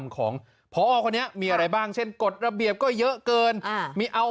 ของพอคนนี้มีอะไรบ้างเช่นกฎระเบียบก็เยอะเกินมีเอา